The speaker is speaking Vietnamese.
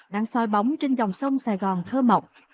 đang soi bóng trên dòng sông sài gòn thơ mộng